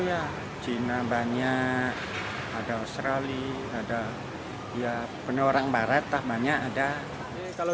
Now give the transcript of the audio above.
ya china banyak ada australia ada ya penuh orang barat banyak ada kalau